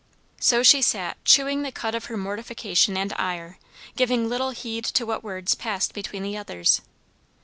So she sat chewing the cud of her mortification and ire, giving little heed to what words passed between the others.